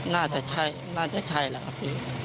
น่าจะใช่น่าจะใช่แหละครับพี่